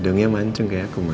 hidungnya mancung kayak aku mah